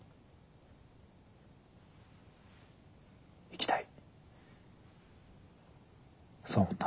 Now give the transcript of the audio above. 生きたい！